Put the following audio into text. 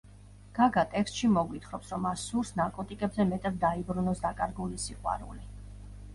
გაგა ტექსტში მოგვითხრობს, რომ მას სურს ნარკოტიკებზე მეტად დაიბრუნოს დაკარგული სიყვარული.